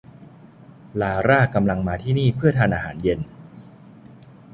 ลาร่ากำลังมาที่นี่เพื่อทานอาหารเย็น